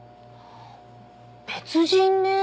別人ね。